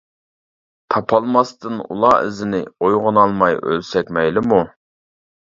تاپالماستىن ئۇلار ئىزىنى، ئويغىنالماي ئۆلسەك مەيلىمۇ.